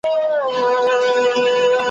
څوک منصور نسته چي یې په دار کي `